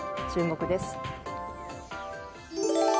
注目です。